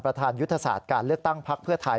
ยุทธศาสตร์การเลือกตั้งพักเพื่อไทย